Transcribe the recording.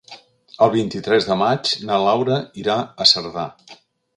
El vint-i-tres de maig na Laura irà a Cerdà.